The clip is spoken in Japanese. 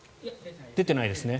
出ていないですね。